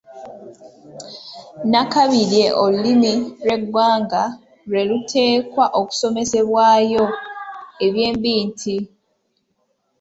Nnakabirye olulimi lw’Eggwanga lwe luteekwa okusomesebwayo; ebyembi nti